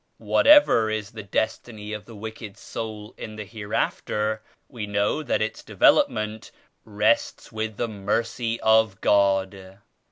Whatever is the destiny of the wicked soul in the hereafter, we know that its development rests with the Mercy of God.